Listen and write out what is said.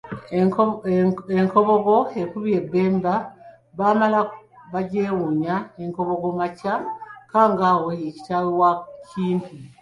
Enkobogo ekubye Ebemba, Bamala bagyewuunya. Nkobogo Makya Kangaawo ye kitaawe wa Kimpi.